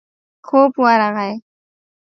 خوب ورغی.